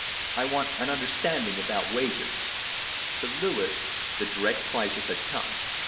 I want an understanding about wages." To Louis the dread crisis had come.